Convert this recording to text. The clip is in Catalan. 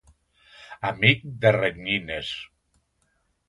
Amic de renyines.